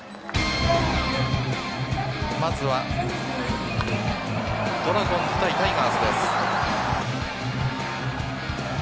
まずはドラゴンズ対タイガースです。